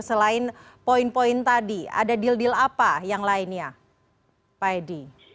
selain poin poin tadi ada deal deal apa yang lainnya pak edi